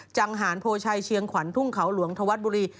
จังหารโพชัยเชียงขวัญทุ่งเขาหลวงธวัดบุรี